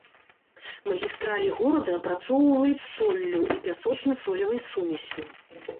Магістралі горада апрацоўваюць соллю і пясочна-солевай сумессю.